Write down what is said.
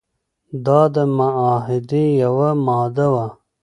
دا د معاهدې یوه ماده وه.